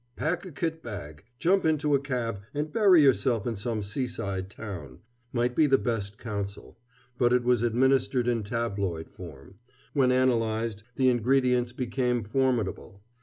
"Pack a kit bag, jump into a cab, and bury yourself in some seaside town" might be the best of counsel; but it was administered in tabloid form; when analyzed, the ingredients became formidable.